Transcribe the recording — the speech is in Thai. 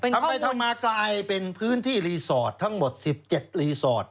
ทำไปทำมากลายเป็นพื้นที่รีสอร์ททั้งหมด๑๗รีสอร์ท